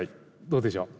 どうでしょう？